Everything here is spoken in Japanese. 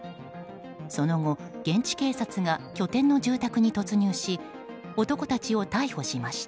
その後、現地警察が拠点の住宅に突入し男たちを逮捕しました。